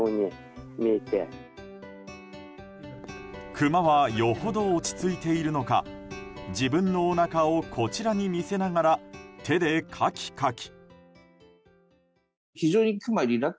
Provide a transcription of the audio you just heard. クマはよほど落ち着いているのか自分のおなかをこちらに見せながら手でかきかき。